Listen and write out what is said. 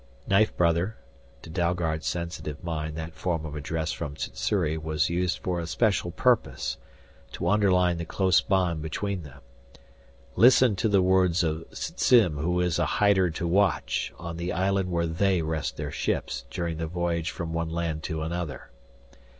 "Knife brother" to Dalgard's sensitive mind that form of address from Sssuri was used for a special purpose: to underline the close bond between them "listen to the words of Sssim who is a Hider to Watch on the island where they rest their ships during the voyage from one land to another."